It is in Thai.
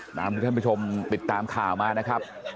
สำหรับทุกท่านผู้ชมติดตามข่าวมานะครับ